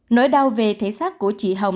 nỗi đau về thể xác của chị hồng